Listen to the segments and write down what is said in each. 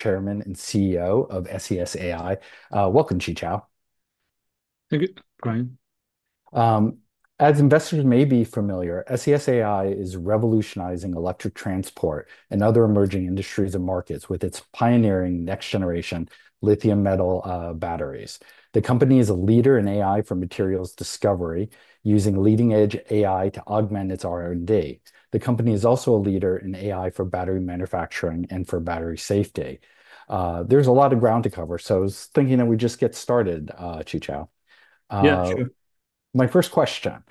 Chairman and CEO of SES AI. Welcome, Qichao. Thank you, Brian. As investors may be familiar, SES AI is revolutionizing electric transport and other emerging industries and markets with its pioneering next-generation lithium metal batteries. The company is a leader in AI for materials discovery, using leading-edge AI to augment its R&D. The company is also a leader in AI for battery manufacturing and for battery safety. There's a lot of ground to cover, so I was thinking that we just get started, Qichao. Yeah, sure. My first question: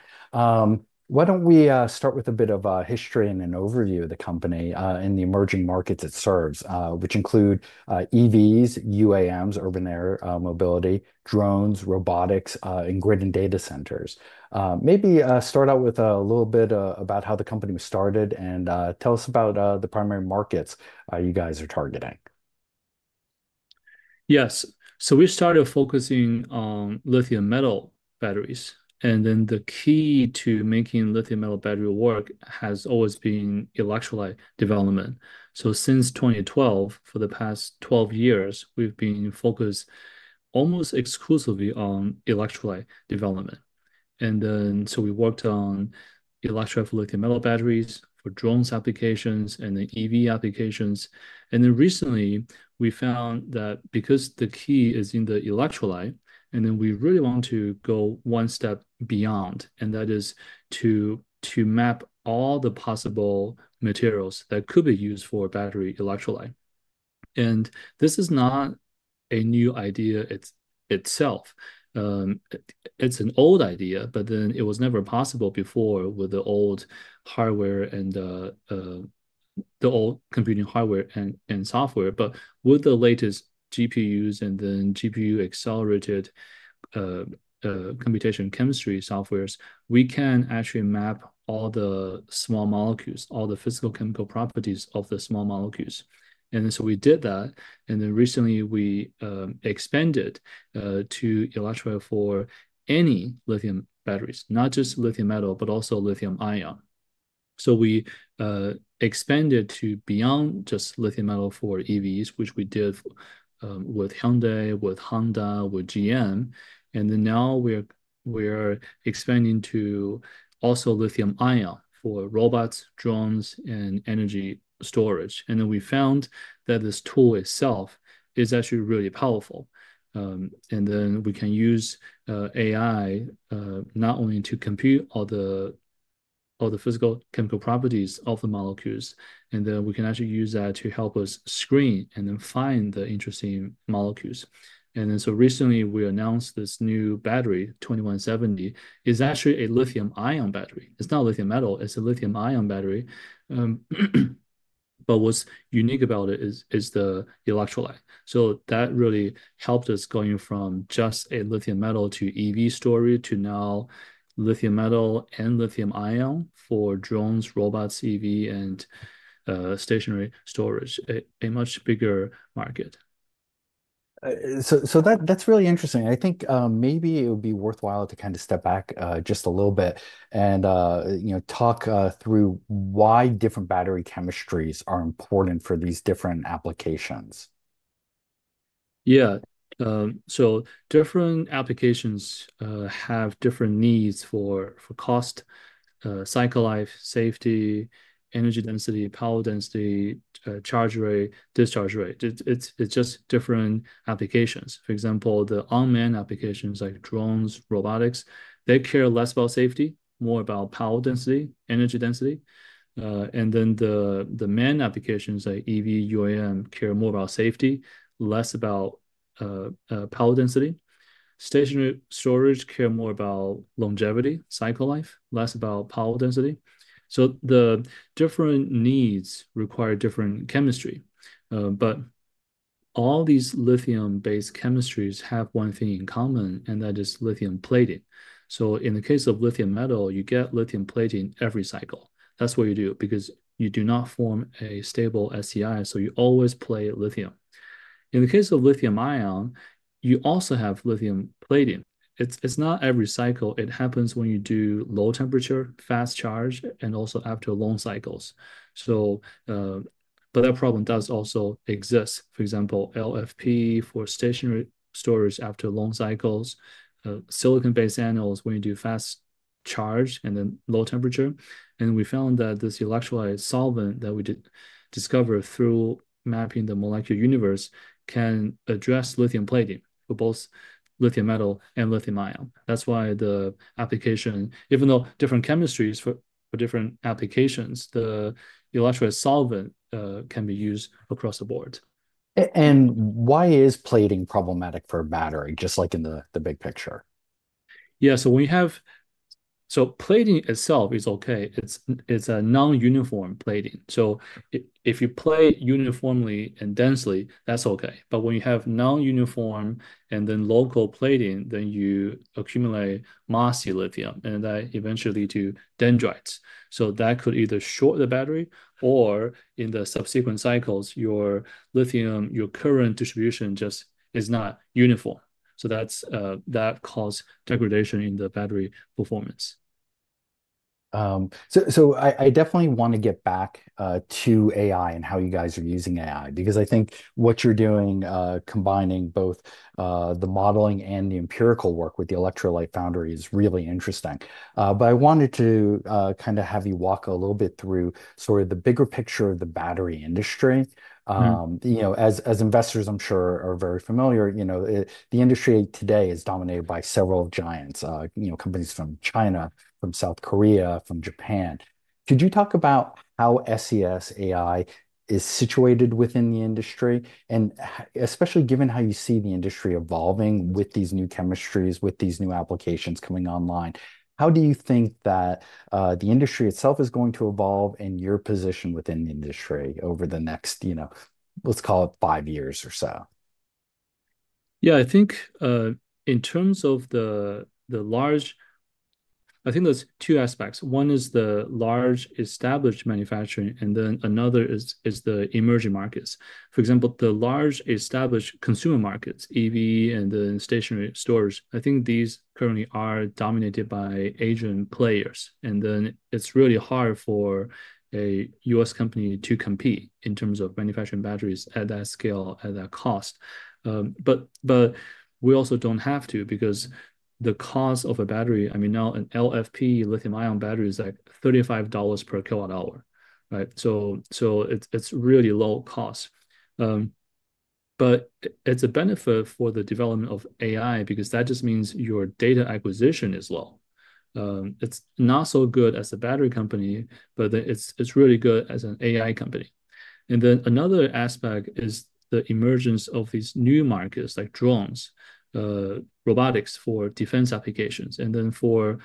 why don't we start with a bit of history and an overview of the company and the emerging markets it serves, which include EVs, UAMs, urban air mobility, drones, robotics, and grid and data centers. Maybe start out with a little bit about how the company was started and tell us about the primary markets you guys are targeting. Yes. So we started focusing on lithium metal batteries, and then the key to making lithium metal battery work has always been electrolyte development. So since 2012, for the past 12 years, we've been focused almost exclusively on electrolyte development. And then so we worked on electrolyte for lithium metal batteries, for drones applications, and then EV applications. And then recently, we found that because the key is in the electrolyte, and then we really want to go one step beyond, and that is to map all the possible materials that could be used for battery electrolyte. And this is not a new idea itself. It's an old idea, but then it was never possible before with the old hardware and the old computing hardware and software. But with the latest GPUs and then GPU-accelerated computational chemistry software, we can actually map all the small molecules, all the physicochemical properties of the small molecules. And then recently, we expanded to electrolytes for any lithium batteries, not just lithium metal, but also lithium ion. So we expanded to beyond just lithium metal for EVs, which we did with Hyundai, with Honda, with GM. And then now we're expanding to also lithium ion for robots, drones, and energy storage. And then we found that this tool itself is actually really powerful. And then we can use AI not only to compute all the physicochemical properties of the molecules, and then we can actually use that to help us screen and then find the interesting molecules. And then so recently, we announced this new battery, 2170. It's actually a lithium ion battery. It's not lithium metal. It's a lithium ion battery. But what's unique about it is the electrolyte. So that really helped us going from just a lithium metal to EV storage to now lithium metal and lithium ion for drones, robots, EV, and stationary storage, a much bigger market. So that's really interesting. I think maybe it would be worthwhile to kind of step back just a little bit and talk through why different battery chemistries are important for these different applications. Yeah. So different applications have different needs for cost, cycle life, safety, energy density, power density, charge rate, discharge rate. It's just different applications. For example, the unmanned applications like drones, robotics, they care less about safety, more about power density, energy density. And then the manned applications like EV, UAM care more about safety, less about power density. Stationary storage care more about longevity, cycle life, less about power density. So the different needs require different chemistry. But all these lithium-based chemistries have one thing in common, and that is lithium plating. So in the case of lithium metal, you get lithium plating every cycle. That's what you do because you do not form a stable SEI, so you always plate lithium. In the case of lithium ion, you also have lithium plating. It's not every cycle. It happens when you do low temperature, fast charge, and also after long cycles. So, but that problem does also exist. For example, LFP for stationary storage after long cycles, silicon-based anodes when you do fast charge and then low temperature, and we found that this electrolyte solvent that we discovered through mapping the Molecular Universe can address lithium plating for both lithium metal and lithium-ion. That's why the application, even though different chemistries for different applications, the electrolyte solvent can be used across the board. Why is plating problematic for a battery, just like in the big picture? Yeah. So plating itself is okay. It's a non-uniform plating. So if you plate uniformly and densely, that's okay. But when you have non-uniform and then local plating, then you accumulate mossy lithium, and that eventually leads to dendrites. So that could either short the battery or in the subsequent cycles, your lithium, your current distribution just is not uniform. So that causes degradation in the battery performance. So I definitely want to get back to AI and how you guys are using AI because I think what you're doing, combining both the modeling and the empirical work with the Electrolyte Foundry, is really interesting. But I wanted to kind of have you walk a little bit through sort of the bigger picture of the battery industry. As investors, I'm sure, are very familiar, the industry today is dominated by several giants, companies from China, from South Korea, from Japan. Could you talk about how SES AI is situated within the industry? And especially given how you see the industry evolving with these new chemistries, with these new applications coming online, how do you think that the industry itself is going to evolve and your position within the industry over the next, let's call it, five years or so? Yeah. I think in terms of the large. I think there's two aspects. One is the large established manufacturing, and then another is the emerging markets. For example, the large established consumer markets, EV and then stationary storage, I think these currently are dominated by Asian players, and then it's really hard for a U.S. company to compete in terms of manufacturing batteries at that scale, at that cost, but we also don't have to because the cost of a battery, I mean, now an LFP lithium ion battery is like $35 per kilowatt hour, right, so it's really low cost, but it's a benefit for the development of AI because that just means your data acquisition is low. It's not so good as a battery company, but it's really good as an AI company. And then another aspect is the emergence of these new markets like drones, robotics for defense applications. And then for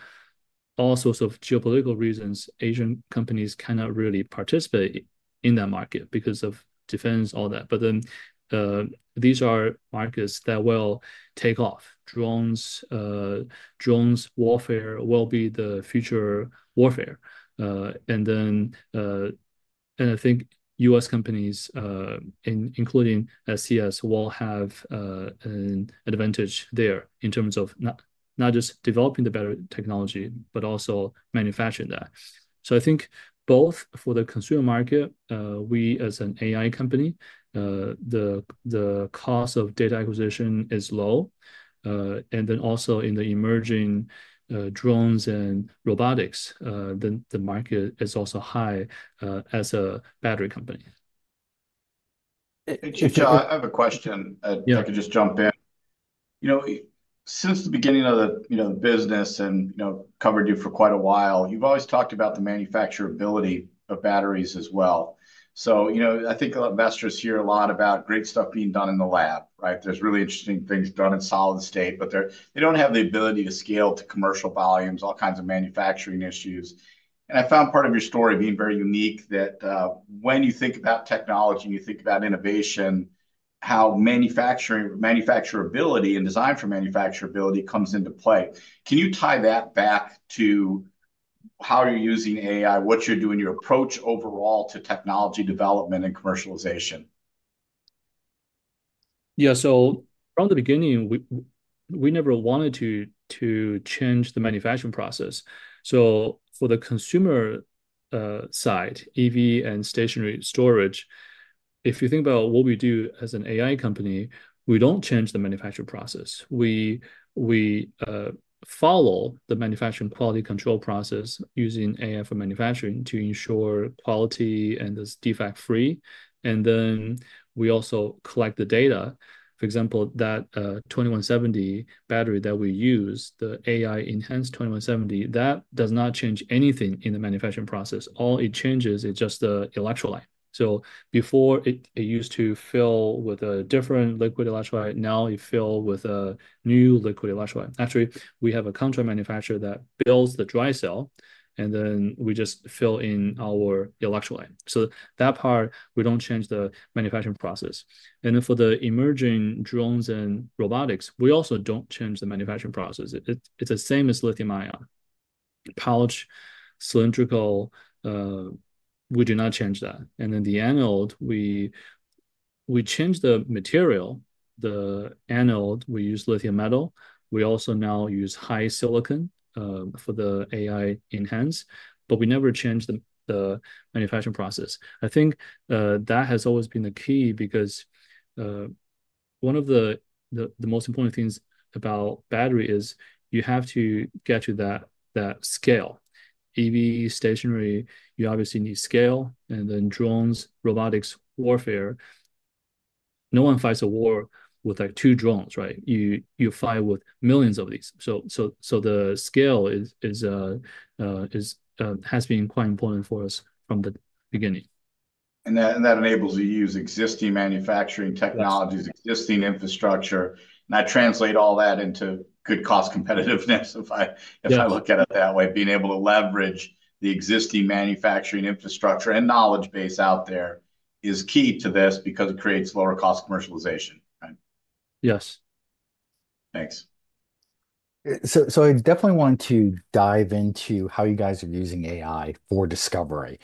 all sorts of geopolitical reasons, Asian companies cannot really participate in that market because of defense, all that. But then these are markets that will take off. Drone warfare will be the future warfare. And I think U.S. companies, including SES, will have an advantage there in terms of not just developing the better technology, but also manufacturing that. So I think both for the consumer market, we as an AI company, the cost of data acquisition is low. And then also in the emerging drones and robotics, the market is also high as a battery company. Qichao, I have a question. If I could just jump in. Since the beginning of the business and covered you for quite a while, you've always talked about the manufacturability of batteries as well. So I think investors hear a lot about great stuff being done in the lab, right? There's really interesting things done in solid state, but they don't have the ability to scale to commercial volumes, all kinds of manufacturing issues. And I found part of your story being very unique that when you think about technology and you think about innovation, how manufacturability and design for manufacturability comes into play. Can you tie that back to how you're using AI, what you're doing, your approach overall to technology development and commercialization? Yeah. So from the beginning, we never wanted to change the manufacturing process. So for the consumer site, EV and stationary storage, if you think about what we do as an AI company, we don't change the manufacturing process. We follow the manufacturing quality control process using AI for manufacturing to ensure quality and is defect-free. And then we also collect the data. For example, that 2170 battery that we use, the AI-enhanced 2170, that does not change anything in the manufacturing process. All it changes is just the electrolyte. So before it used to fill with a different liquid electrolyte, now it fills with a new liquid electrolyte. Actually, we have a contract manufacturer that builds the dry cell, and then we just fill in our electrolyte. So that part, we don't change the manufacturing process. Then for the emerging drones and robotics, we also don't change the manufacturing process. It's the same as lithium-ion. Pouch, cylindrical, we do not change that. And then the anode, we change the material. The anode, we use lithium metal. We also now use high-silicon for the anode, but we never change the manufacturing process. I think that has always been the key because one of the most important things about battery is you have to get to that scale. EV, stationary, you obviously need scale. And then drones, robotics, warfare, no one fights a war with two drones, right? You fight with millions of these. So the scale has been quite important for us from the beginning. And that enables you to use existing manufacturing technologies, existing infrastructure. And I translate all that into good cost competitiveness, if I look at it that way. Being able to leverage the existing manufacturing infrastructure and knowledge base out there is key to this because it creates lower cost commercialization, right? Yes. Thanks. So I definitely want to dive into how you guys are using AI for discovery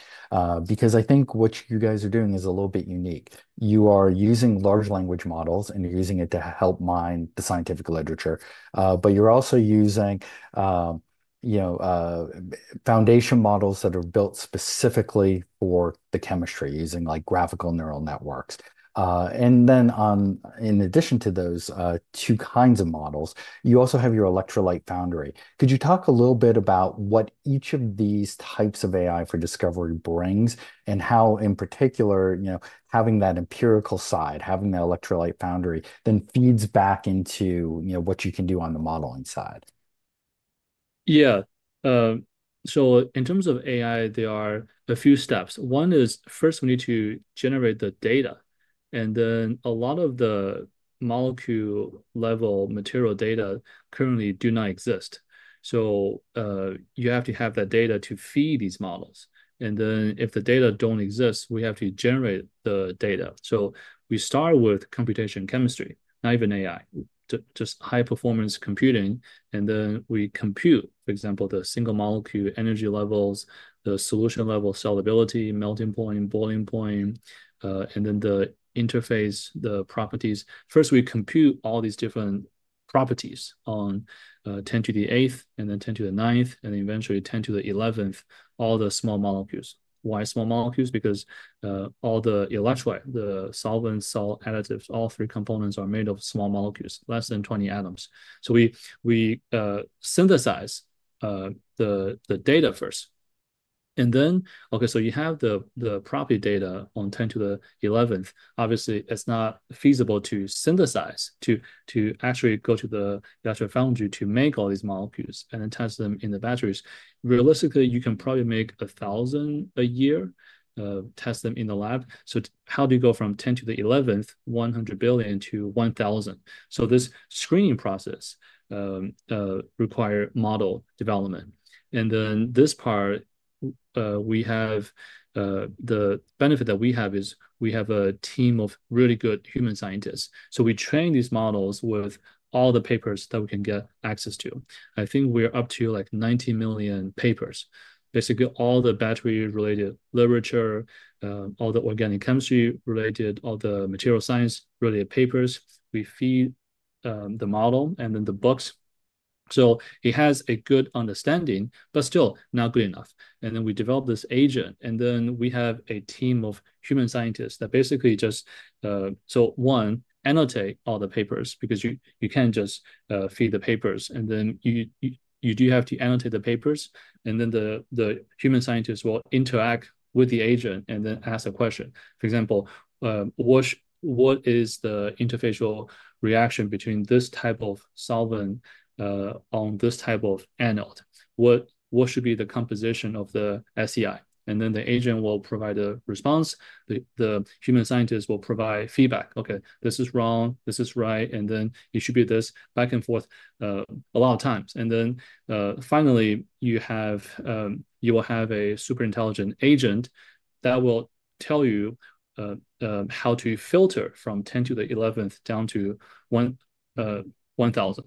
because I think what you guys are doing is a little bit unique. You are using large language models, and you're using it to help mine the scientific literature. But you're also using foundation models that are built specifically for the chemistry using graph neural networks. And then in addition to those two kinds of models, you also have your Electrolyte Foundry. Could you talk a little bit about what each of these types of AI for discovery brings and how, in particular, having that empirical side, having the Electrolyte Foundry then feeds back into what you can do on the modeling side? Yeah. So in terms of AI, there are a few steps. One is first we need to generate the data. And then a lot of the molecule-level material data currently do not exist. So you have to have that data to feed these models. And then if the data don't exist, we have to generate the data. So we start with computational chemistry, not even AI, just high-performance computing. And then we compute, for example, the single molecule energy levels, the solution-level solubility, melting point, boiling point, and then the interface, the properties. First, we compute all these different properties on 10 to the 8th and then 10 to the 9th, and eventually 10 to the 11th, all the small molecules. Why small molecules? Because all the electrolyte, the solvents, all additives, all three components are made of small molecules, less than 20 atoms. So we synthesize the data first. And then, okay, so you have the property data on 10 to the 11th. Obviously, it's not feasible to synthesize, to actually go to the Electrolyte Foundry to make all these molecules and then test them in the batteries. Realistically, you can probably make 1,000 a year, test them in the lab. So how do you go from 10 to the 11th, 100 billion to 1,000? So this screening process requires model development. And then this part, we have the benefit that we have is we have a team of really good human scientists. So we train these models with all the papers that we can get access to. I think we're up to like 90 million papers. Basically, all the battery-related literature, all the organic chemistry-related, all the material science-related papers, we feed the model and then the books. So it has a good understanding, but still not good enough. And then we develop this Asian. And then we have a team of human scientists that basically just, so one, annotate all the papers because you can't just feed the papers. And then you do have to annotate the papers. And then the human scientists will interact with the Asian and then ask a question. For example, what is the interfacial reaction between this type of solvent on this type of anode? What should be the composition of the SEI? And then the agent will provide a response. The human scientist will provide feedback. Okay, this is wrong. This is right. And then it should be this back and forth a lot of times. And then finally, you will have a super intelligent agent that will tell you how to filter from 10 to the 11th down to 1,000.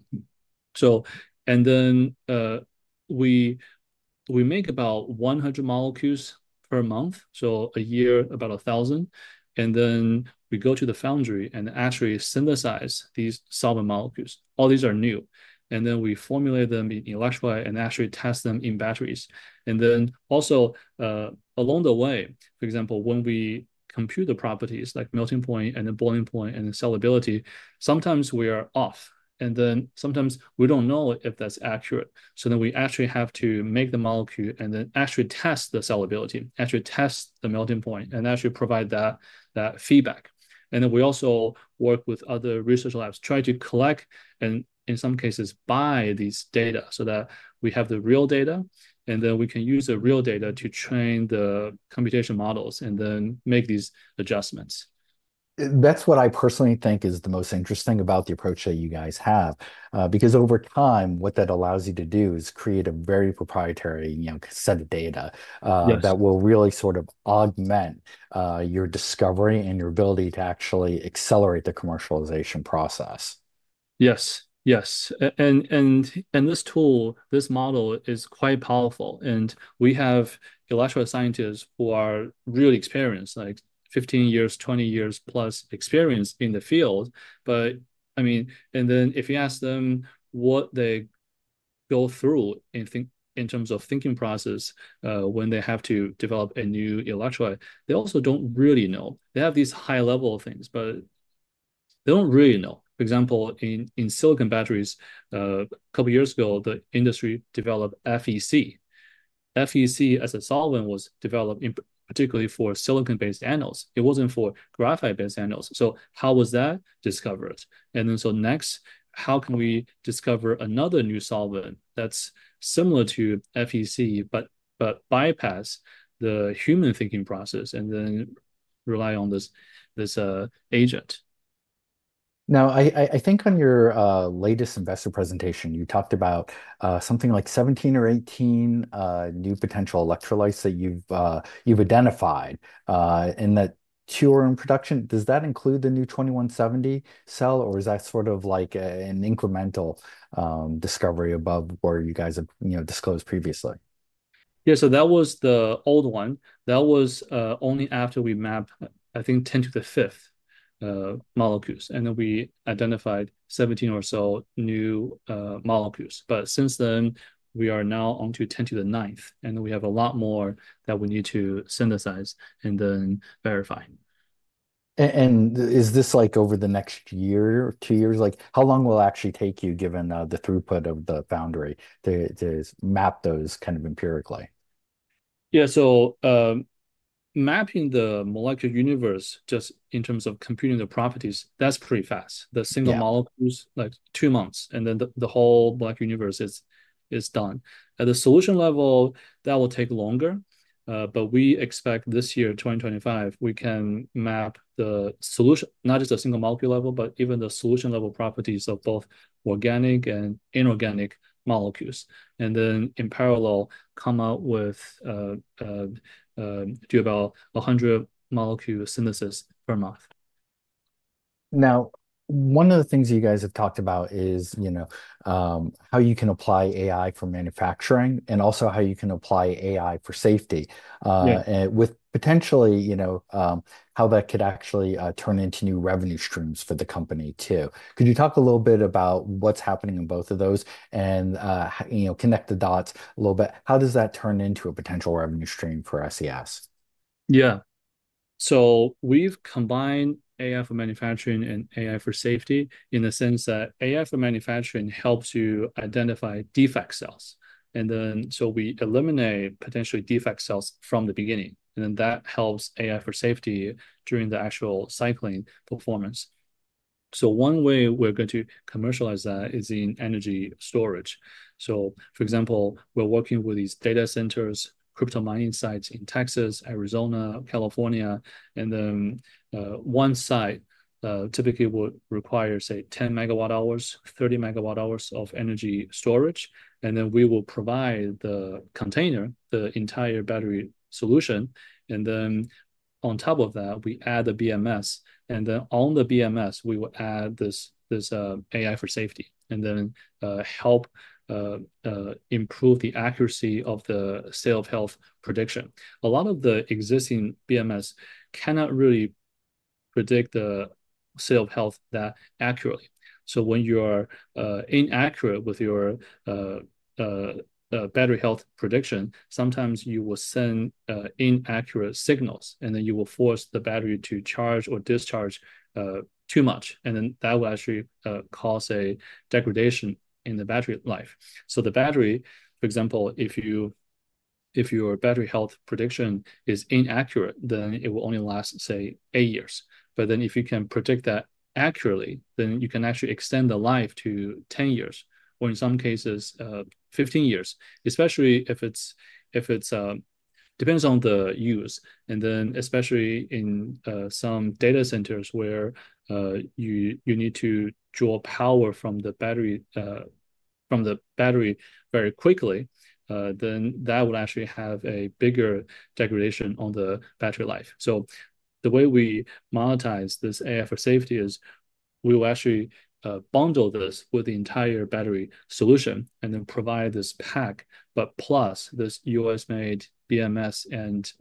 And then we make about 100 molecules per month. So a year, about 1,000. And then we go to the foundry and actually synthesize these solvent molecules. All these are new. And then we formulate them in electrolyte and actually test them in batteries. And then also along the way, for example, when we compute the properties like melting point and the boiling point and the solubility, sometimes we are off. And then sometimes we don't know if that's accurate. So then we actually have to make the molecule and then actually test the solubility, actually test the melting point, and actually provide that feedback. And then we also work with other research labs, try to collect and in some cases buy these data so that we have the real data. And then we can use the real data to train the computation models and then make these adjustments. That's what I personally think is the most interesting about the approach that you guys have. Because over time, what that allows you to do is create a very proprietary set of data that will really sort of augment your discovery and your ability to actually accelerate the commercialization process. Yes. Yes. And this tool, this model is quite powerful. And we have electrolyte scientists who are really experienced, like 15 years, 20 years plus experience in the field. But I mean, and then if you ask them what they go through in terms of thinking process when they have to develop a new electrolyte, they also don't really know. They have these high-level things, but they don't really know. For example, in silicon batteries, a couple of years ago, the industry developed FEC. FEC as a solvent was developed particularly for silicon-based anodes. It wasn't for graphite-based anodes. So how was that discovered? And then so next, how can we discover another new solvent that's similar to FEC but bypass the human thinking process and then rely on this agent? Now, I think on your latest investor presentation, you talked about something like 17 or 18 new potential electrolytes that you've identified in that two-room production. Does that include the new 2170 cell, or is that sort of like an incremental discovery above where you guys have disclosed previously? Yeah. So that was the old one. That was only after we mapped, I think, 10 to the 5th molecules. And then we identified 17 or so new molecules. But since then, we are now on to 10 to the 9th. And then we have a lot more that we need to synthesize and then verify. Is this like over the next year or two years? How long will it actually take you given the throughput of the foundry to map those kind of empirically? Yeah. So mapping the Molecular Universe just in terms of computing the properties, that's pretty fast. The single molecules, like two months, and then the whole Molecular Universe is done. At the solution level, that will take longer. But we expect this year, 2025, we can map the solution, not just the single molecule level, but even the solution-level properties of both organic and inorganic molecules. And then in parallel, come out with do about 100 molecule synthesis per month. Now, one of the things you guys have talked about is how you can apply AI for manufacturing and also how you can apply AI for safety with potentially how that could actually turn into new revenue streams for the company too. Could you talk a little bit about what's happening in both of those and connect the dots a little bit? How does that turn into a potential revenue stream for SES? Yeah. So we've combined AI for Manufacturing and AI for Safety in the sense that AI for Manufacturing helps you identify defect cells. And then so we eliminate potentially defect cells from the beginning. And then that helps AI for Safety during the actual cycling performance. So one way we're going to commercialize that is in energy storage. So for example, we're working with these data centers, crypto mining sites in Texas, Arizona, California. And then one site typically would require, say, 10 megawatt hours, 30 megawatt hours of energy storage. And then we will provide the container, the entire battery solution. And then on top of that, we add the BMS. And then on the BMS, we will add this AI for Safety and then help improve the accuracy of the cell health prediction. A lot of the existing BMS cannot really predict the cell health that accurately. So when you are inaccurate with your battery health prediction, sometimes you will send inaccurate signals, and then you will force the battery to charge or discharge too much. And then that will actually cause a degradation in the battery life. So the battery, for example, if your battery health prediction is inaccurate, then it will only last, say, eight years. But then if you can predict that accurately, then you can actually extend the life to 10 years or in some cases, 15 years, especially if it depends on the use. And then especially in some data centers where you need to draw power from the battery very quickly, then that will actually have a bigger degradation on the battery life. The way we monetize this AI for Safety is we will actually bundle this with the entire battery solution and then provide this pack, but plus this U.S.-made BMS and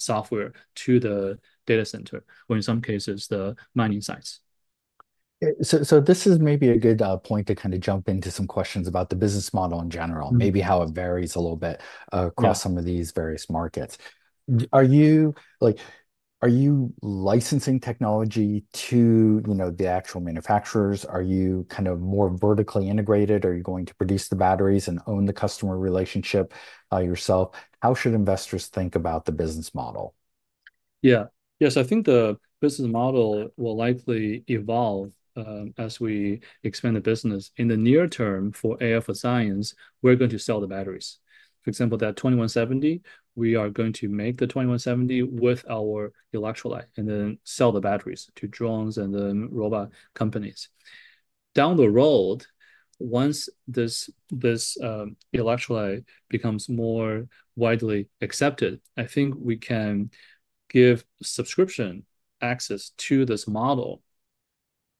software to the data center or in some cases, the mining sites. So this is maybe a good point to kind of jump into some questions about the business model in general, maybe how it varies a little bit across some of these various markets. Are you licensing technology to the actual manufacturers? Are you kind of more vertically integrated? Are you going to produce the batteries and own the customer relationship yourself? How should investors think about the business model? Yeah. Yes. I think the business model will likely evolve as we expand the business. In the near term for AI for Science, we're going to sell the batteries. For example, that 2170, we are going to make the 2170 with our electrolyte and then sell the batteries to drones and then robot companies. Down the road, once this electrolyte becomes more widely accepted, I think we can give subscription access to this model,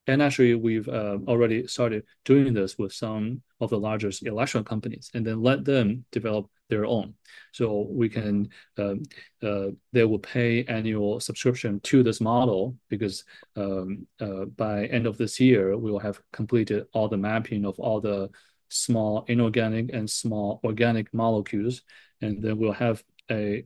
and actually, we've already started doing this with some of the largest electrolyte companies and then let them develop their own. So they will pay annual subscription to this model because by end of this year, we will have completed all the mapping of all the small inorganic and small organic molecules, and then we'll have a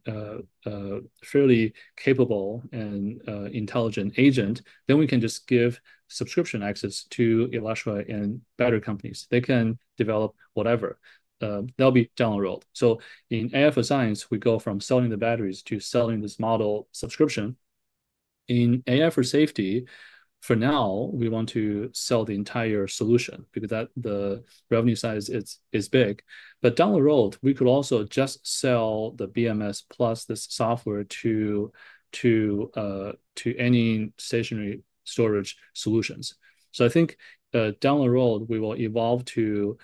fairly capable and intelligent agent. Then we can just give subscription access to electrolyte and battery companies. They can develop whatever. That'll be down the road. So in AI for Science, we go from selling the batteries to selling this model subscription. In AI for Safety, for now, we want to sell the entire solution because the revenue size is big. But down the road, we could also just sell the BMS plus this software to any stationary storage solutions. So I think down the road, we will evolve to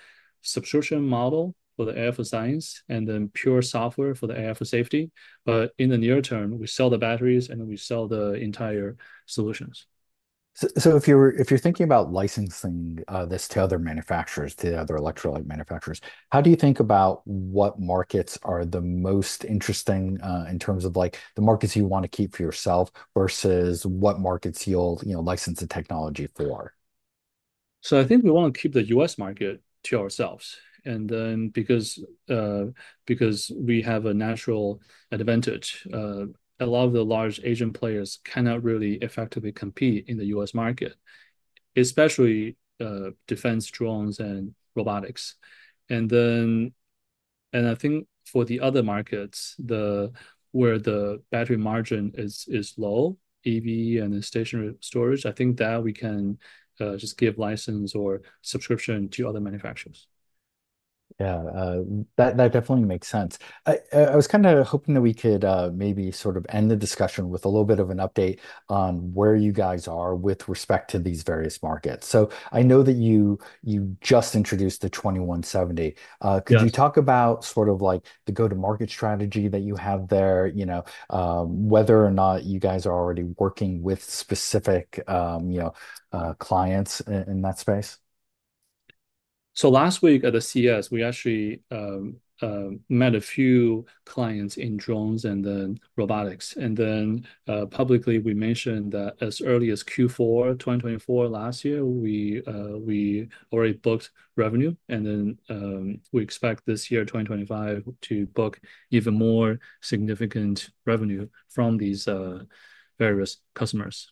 subscription model for the AI for Science and then pure software for the AI for Safety. But in the near term, we sell the batteries and we sell the entire solutions. So if you're thinking about licensing this to other manufacturers, to other electrolyte manufacturers, how do you think about what markets are the most interesting in terms of the markets you want to keep for yourself versus what markets you'll license the technology for? So I think we want to keep the U.S. market to ourselves. And then because we have a natural advantage, a lot of the large agent players cannot really effectively compete in the U.S. market, especially defense drones and robotics. And I think for the other markets where the battery margin is low, EV and stationary storage, I think that we can just give license or subscription to other manufacturers. Yeah. That definitely makes sense. I was kind of hoping that we could maybe sort of end the discussion with a little bit of an update on where you guys are with respect to these various markets. So I know that you just introduced the 2170. Could you talk about sort of the go-to-market strategy that you have there, whether or not you guys are already working with specific clients in that space? So last week at the CES, we actually met a few clients in drones and then robotics. And then publicly, we mentioned that as early as Q4, 2024, last year, we already booked revenue. And then we expect this year, 2025, to book even more significant revenue from these various customers.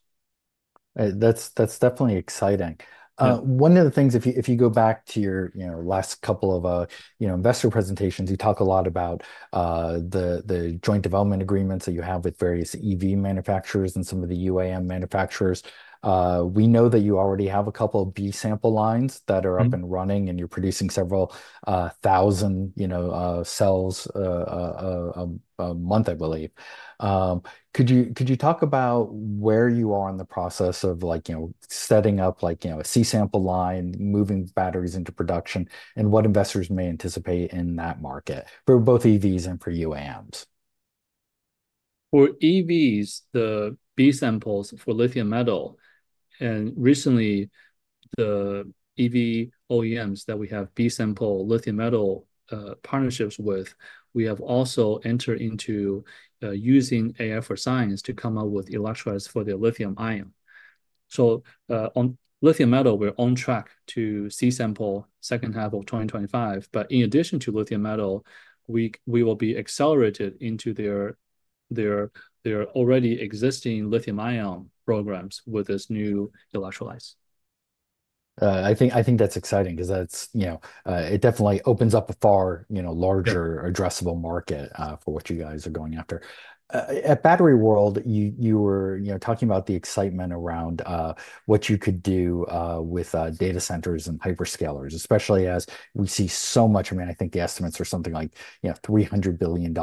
That's definitely exciting. One of the things, if you go back to your last couple of investor presentations, you talk a lot about the joint development agreements that you have with various EV manufacturers and some of the UAM manufacturers. We know that you already have a couple of B-sample lines that are up and running, and you're producing several thousand cells a month, I believe. Could you talk about where you are in the process of setting up a C-sample line, moving batteries into production, and what investors may anticipate in that market for both EVs and for UAMs? For EVs, the B-samples for lithium metal, and recently, the EV OEMs that we have B-sample lithium metal partnerships with, we have also entered into using AI for Science to come up with electrolytes for the lithium-ion, so on lithium metal, we're on track to C-sample second half of 2025, but in addition to lithium metal, we will be accelerated into their already existing lithium-ion programs with this new electrolytes. I think that's exciting because it definitely opens up a far larger addressable market for what you guys are going after. At Battery World, you were talking about the excitement around what you could do with data centers and hyperscalers, especially as we see so much. I mean, I think the estimates are something like $300 billion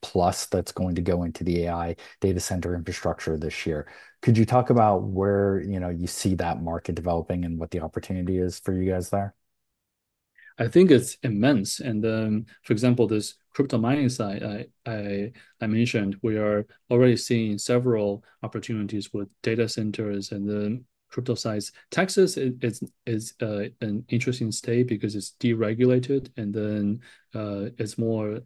plus that's going to go into the AI data center infrastructure this year. Could you talk about where you see that market developing and what the opportunity is for you guys there? I think it's immense, and then, for example, this crypto mining side I mentioned, we are already seeing several opportunities with data centers and then crypto sites. Texas is an interesting state because it's deregulated, and then it's more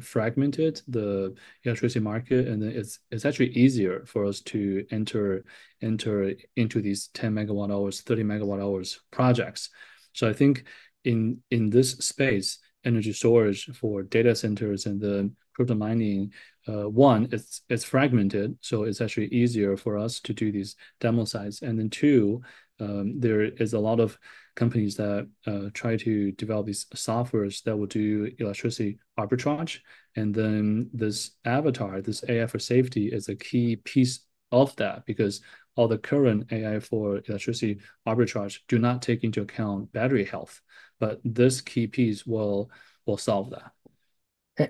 fragmented, the electricity market, and then it's actually easier for us to enter into these 10 megawatt-hours, 30 megawatt-hours projects, so I think in this space, energy storage for data centers and the crypto mining, one, it's fragmented, so it's actually easier for us to do these demo sites, and then two, there is a lot of companies that try to develop these softwares that will do electricity arbitrage, and then this Avatar, this AI for Safety is a key piece of that because all the current AI for electricity arbitrage do not take into account battery health, but this key piece will solve that.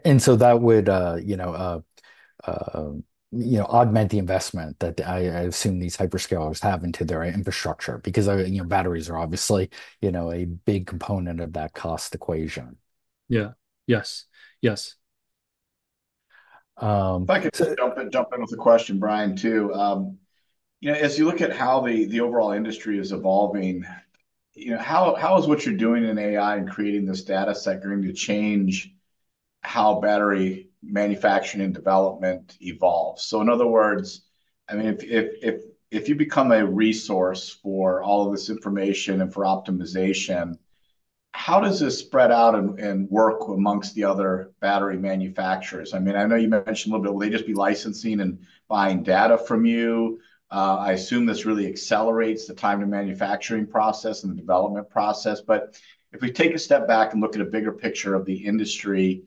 And so that would augment the investment that I assume these hyperscalers have into their infrastructure because batteries are obviously a big component of that cost equation. Yeah. Yes. Yes. I could jump in with a question, Brian too. As you look at how the overall industry is evolving, how is what you're doing in AI and creating this data set going to change how battery manufacturing and development evolves? So in other words, I mean, if you become a resource for all of this information and for optimization, how does this spread out and work amongst the other battery manufacturers? I mean, I know you mentioned a little bit, will they just be licensing and buying data from you? I assume this really accelerates the time to manufacturing process and the development process. But if we take a step back and look at a bigger picture of the industry,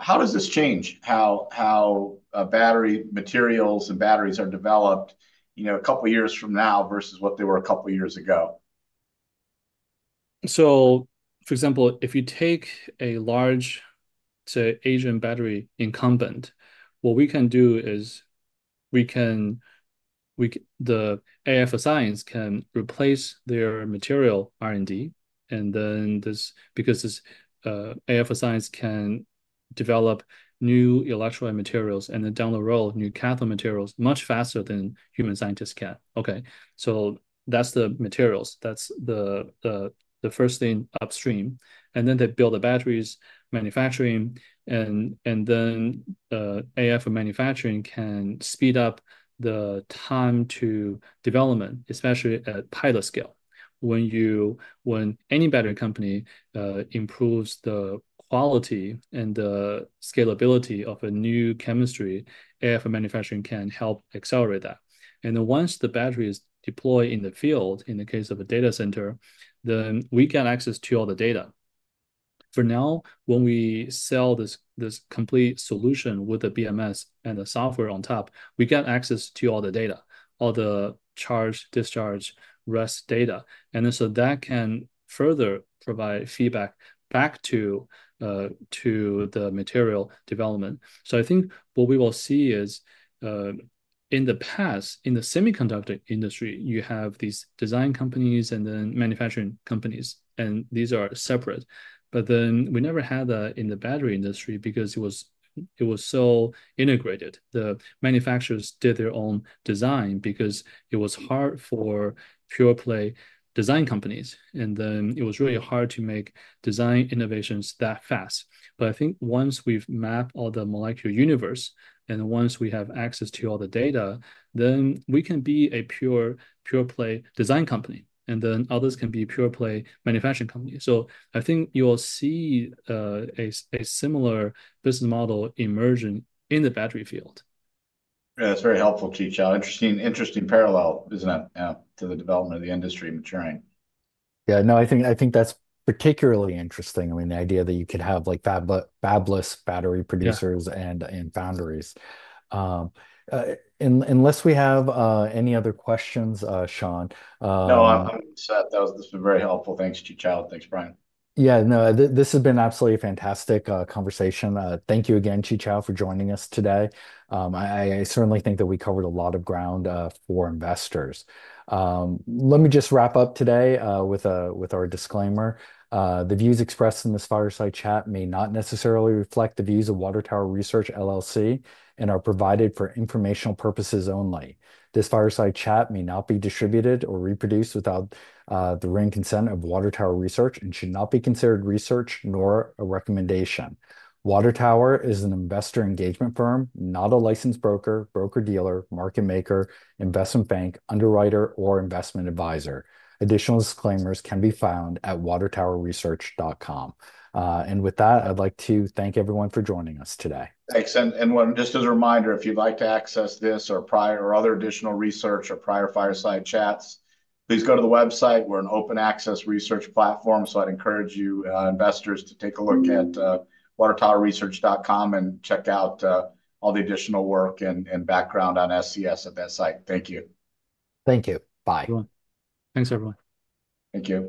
how does this change how battery materials and batteries are developed a couple of years from now versus what they were a couple of years ago? So for example, if you take a large Asian battery incumbent, what we can do is the AI for Science can replace their material R&D because AI for Science can develop new electrolyte materials and then down the road, new cathode materials much faster than human scientists can. Okay. So that's the materials. That's the first thing upstream. And then they build the batteries manufacturing. And then AI for Manufacturing can speed up the time to development, especially at pilot scale. When any battery company improves the quality and the scalability of a new chemistry, AI for Manufacturing can help accelerate that. And then once the battery is deployed in the field, in the case of a data center, then we get access to all the data. For now, when we sell this complete solution with the BMS and the software on top, we get access to all the data, all the charge, discharge, rest data, and so that can further provide feedback back to the material development, so I think what we will see is in the past, in the semiconductor industry, you have these design companies and then manufacturing companies, and these are separate, but then we never had that in the battery industry because it was so integrated. The manufacturers did their own design because it was hard for pure play design companies, and then it was really hard to make design innovations that fast, but I think once we've mapped all the Molecular Universe and once we have access to all the data, then we can be a pure play design company, and then others can be pure play manufacturing companies. So I think you will see a similar business model emerging in the battery field. Yeah. That's very helpful to each other. Interesting parallel, isn't it, to the development of the industry maturing? Yeah. No, I think that's particularly interesting. I mean, the idea that you could have fabless battery producers and foundries. Unless we have any other questions, Shawn. No, I'm set. This has been very helpful. Thanks, Qichao. Thanks, Brian. Yeah. No, this has been absolutely a fantastic conversation. Thank you again, Qichao, for joining us today. I certainly think that we covered a lot of ground for investors. Let me just wrap up today with our disclaimer. The views expressed in this fireside chat may not necessarily reflect the views of Water Tower Research LLC and are provided for informational purposes only. This fireside chat may not be distributed or reproduced without the written consent of Water Tower Research and should not be considered research nor a recommendation. Water Tower is an investor engagement firm, not a licensed broker, broker dealer, market maker, investment bank, underwriter, or investment advisor. Additional disclaimers can be found at watertowerresearch.com. And with that, I'd like to thank everyone for joining us today. Thanks. And just as a reminder, if you'd like to access this or other additional research or prior fireside chats, please go to the website. We're an open access research platform. So I'd encourage you investors to take a look at watertowerresearch.com and check out all the additional work and background on SES at that site. Thank you. Thank you. Bye. Thanks, everyone. Thank you.